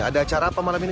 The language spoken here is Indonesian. ada acara apa malam ini